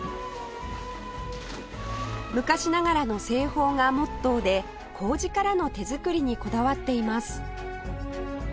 昔ながらの製法がモットーで麹からの手作りにこだわっています